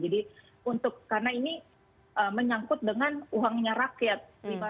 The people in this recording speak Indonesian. jadi untuk karena ini menyangkut dengan uangnya rakyat